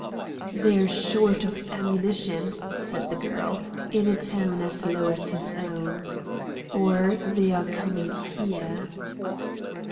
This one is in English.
"They're short of ammunition," said the girl, in a tone as low as his own; "or they are coming HERE."